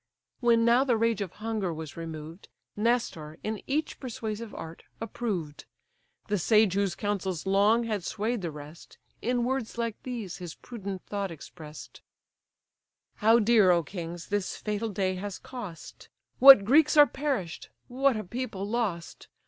When now the rage of hunger was removed, Nestor, in each persuasive art approved, The sage whose counsels long had sway'd the rest, In words like these his prudent thought express'd: "How dear, O kings! this fatal day has cost, What Greeks are perish'd! what a people lost!